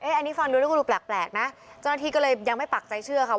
อันนี้ฟังดูแล้วก็ดูแปลกนะเจ้าหน้าที่ก็เลยยังไม่ปักใจเชื่อค่ะว่า